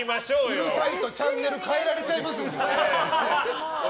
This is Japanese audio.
うるさいとチャンネル変えられちゃいますよ。